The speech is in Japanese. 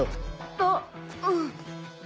あっうん。